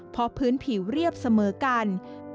เพราะพื้นผิวเรียบเสมอกัน